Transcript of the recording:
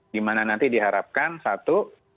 di mana nanti diharapkan satu